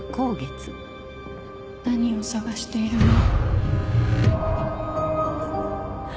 何を探しているの？